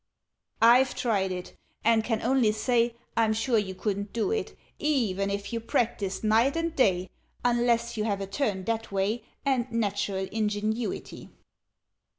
"I've tried it, and can only say I'm sure you couldn't do it, e ven if you practised night and day, Unless you have a turn that way, And natural ingenuity.